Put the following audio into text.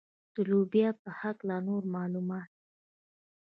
د لوبیا په هکله نور معلومات.